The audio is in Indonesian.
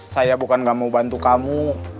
saya bukan gak mau bantu kamu